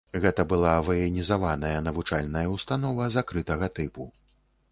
Гэта была ваенізаваная навучальная ўстанова закрытага тыпу.